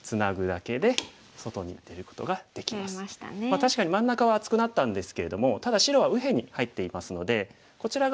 確かに真ん中は厚くなったんですけれどもただ白は右辺に入っていますのでこちら側